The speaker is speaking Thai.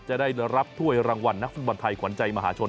จะได้รับถ้วยรางวัลนักฟุตบอลไทยขวัญใจมหาชน